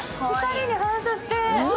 ２人に反射して。